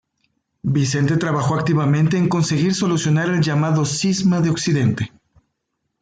Vicente trabajó activamente en conseguir solucionar el llamado Cisma de Occidente.